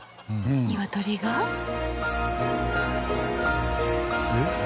ニワトリが？えっ？